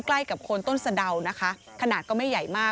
ใกล้กับคนต้นสะดาวนะคะ